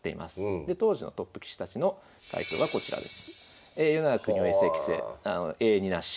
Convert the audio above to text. で当時のトップ棋士たちの回答はこちらです。